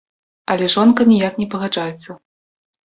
Але жонка ніяк не пагаджаецца.